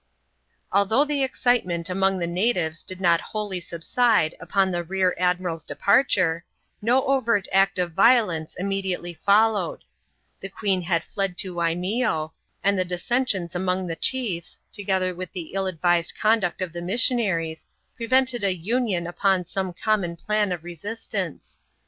Although the excitement among the natives did not wholly subside upon the rear admiral's departure, no overt act of yiolence immediately followed. The queen VksA. ^e)\ \» \Das«Si % »6 ADVENTURES IN THE SOUTH SEAS. [c«ap. and the dissensions among the chiefs, together with iheiU advised conduct of the missionaries, prevented a union upon some common plan of resistance.